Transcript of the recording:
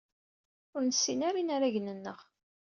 Ur nessin ara inaragen-nneɣ.